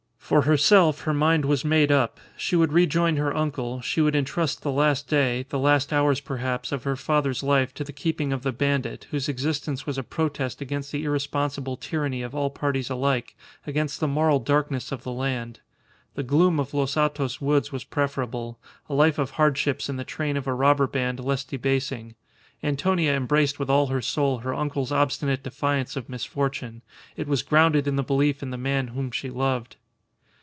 For herself, her mind was made up; she would rejoin her uncle; she would entrust the last day the last hours perhaps of her father's life to the keeping of the bandit, whose existence was a protest against the irresponsible tyranny of all parties alike, against the moral darkness of the land. The gloom of Los Hatos woods was preferable; a life of hardships in the train of a robber band less debasing. Antonia embraced with all her soul her uncle's obstinate defiance of misfortune. It was grounded in the belief in the man whom she loved.